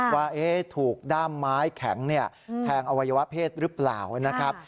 ว่าถูกด้ามไม้แข็งแทงอวัยวะเพศหรือเปล่านะครับ